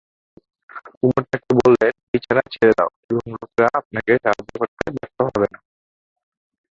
উমর তাকে বললেন, "বিছানা ছেড়ে দাও এবং লোকেরা আপনাকে সাহায্য করতে ব্যর্থ হবে না।"